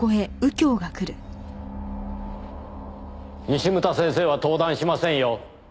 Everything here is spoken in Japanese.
西牟田先生は登壇しませんよ。